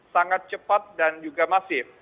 sangat cepat dan juga masif